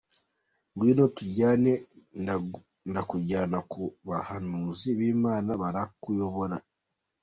“Ngwino tujyane, ndakujyana ku bahanuzi b’Imana, barakuyobora.”